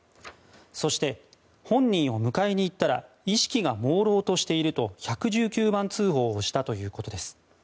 そして、本人を迎えに行ったら意識がもうろうとしていると１１９番通報をしたということです。